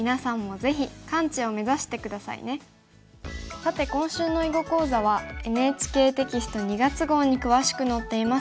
さて今週の囲碁講座はＮＨＫテキスト２月号に詳しく載っています。